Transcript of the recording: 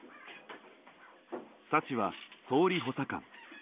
サチは総理補佐官。